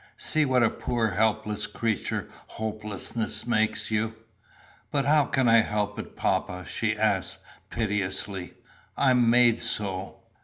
See what a poor helpless creature hopelessness makes you." "But how can I help it, papa?" she asked piteously. "I am made so."